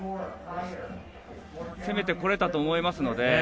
攻めてこれたと思いますので。